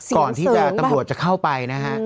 ก่อนที่ตำรวจจะเข้าไปนะฮะ